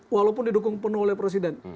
walaupun didukung penuh oleh presiden